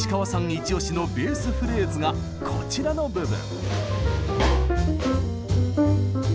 イチおしのベースフレーズがこちらの部分。